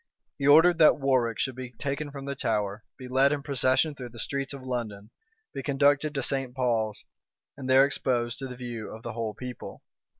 He ordered that Warwick should be taken from the Tower, be led in procession through the streets of London, be conducted to St. Paul's, and there exposed to the view of the whole people.